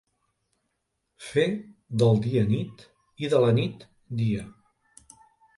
Fer del dia nit i de la nit dia.